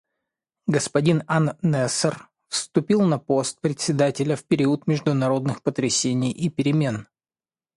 Господин ан-Насер вступил на пост Председателя в период международных потрясений и перемен.